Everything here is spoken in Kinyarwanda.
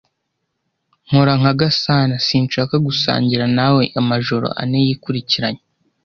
Nkora nka Gasana. Sinshaka gusangira nawe amajoro ane yikurikiranya.